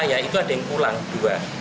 saya tidak akan pulang juga